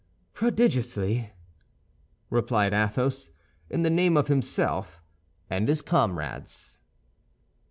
"Prodigiously," replied Athos in the name of himself and his comrades.